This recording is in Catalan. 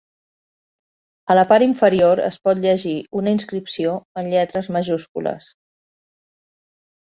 A la part inferior es pot llegir una inscripció en lletres majúscules.